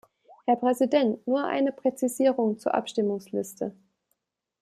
Herr Präsident, nur eine Präzisierung zur Abstimmungsliste.